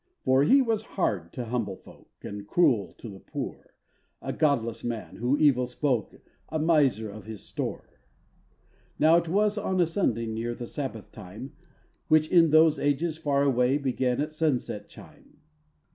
For he was hard to humble folk, And cruel to the poor, A godless man, who evil spoke, A miser of his store. Now it was on a Saturday Near to the Sabbath time, Which in those ages far away Began at sunset chime.